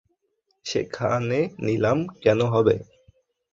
সেখানে নিলাম কেন হবে।